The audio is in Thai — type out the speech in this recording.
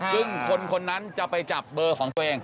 ซึ่งคนคนนั้นจะไปจับเบอร์ของตัวเอง